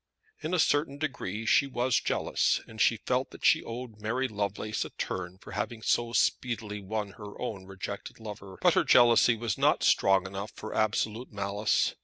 In a certain degree she was jealous, and felt that she owed Mary Lovelace a turn for having so speedily won her own rejected lover. But her jealousy was not strong enough for absolute malice.